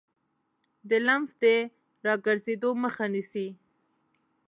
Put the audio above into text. د لمف د راګرځیدو مخه نیسي.